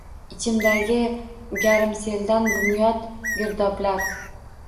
Ichimdagi garmseldan bunyod girdoblar